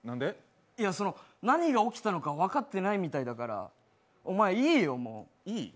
何が起きたのか分かってないみたいだから、おまえ、いいよ、もう。